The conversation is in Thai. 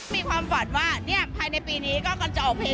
มีความฝันว่า